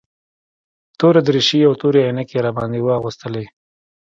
توره دريشي او تورې عينکې يې راباندې واغوستلې.